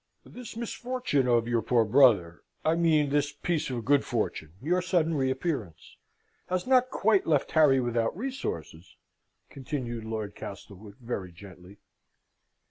"This misfortune of your poor brother I mean this piece of good fortune, your sudden reappearance has not quite left Harry without resources?" continued Lord Castlewood, very gently.